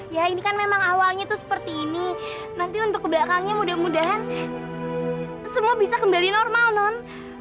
ya ini kan memang awalnya itu seperti ini nanti untuk ke belakangnya mudah mudahan semua bisa kembali normal non